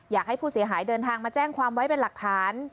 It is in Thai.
อยากให้ผู้เสียหายเดินทางมาแจ้งความไว้เป็นหลักฐาน